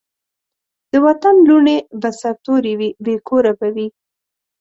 د وطن لوڼي به سرتوري وي بې کوره به وي